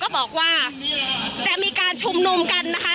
บอกว่าจะมีการชุมนุมกันนะคะ